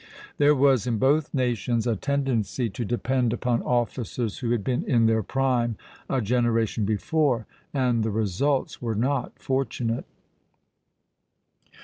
There was in both nations a tendency to depend upon officers who had been in their prime a generation before, and the results were not fortunate.